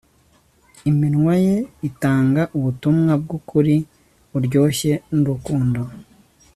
iminwa ye itanga ubutumwa bwukuri buryoshye nurukundo